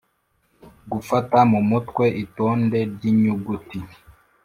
-gufata mu mutwe itonde ry’inyuguti